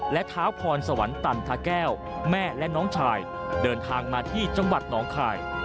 และเท้าพรสวรรค์ตันทะแก้วแม่และน้องชายเดินทางมาที่จังหวัดหนองคาย